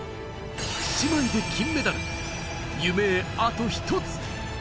姉妹で金メダル、夢へあと一つ。